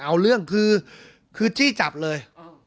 เอาเรื่องคือจี้จับเลย